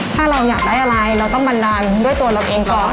ถ้าเราอยากได้อะไรเราต้องบันดาลด้วยตัวเราเองก่อน